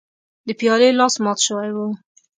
د پیالې لاس مات شوی و.